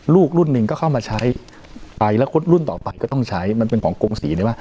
ลูกรุ่นหนึ่งก็เข้ามาใช้ไปแล้วคนรุ่นต่อไปก็ต้องใช้มันเป็นของกงศรีใช่ไหม